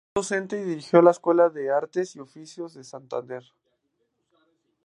Fue docente y dirigió la Escuela de Artes y Oficios de Santander.